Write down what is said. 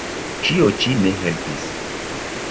Ĉio ĉi ne helpis.